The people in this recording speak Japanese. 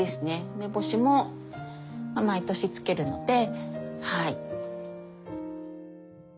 梅干しも毎年漬けるのではい。